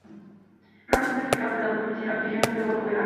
Rock es un certificado entrenador personal, nutrición y un devoto vegano.